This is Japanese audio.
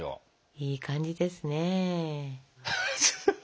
いい感じですね。